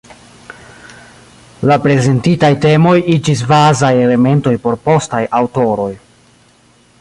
La prezentitaj temoj iĝis bazaj elementoj por postaj aŭtoroj.